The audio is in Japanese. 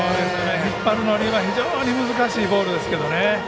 引っ張るには非常に難しいボールですがね。